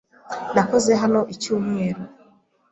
Nakoze hano icyumweru.